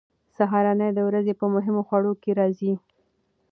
سهارنۍ د ورځې په مهمو خوړو کې راځي.